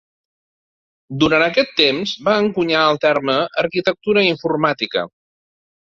Durant aquest temps, va encunyar el terme "arquitectura informàtica".